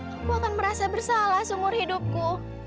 aku akan merasa bersalah seumur hidupku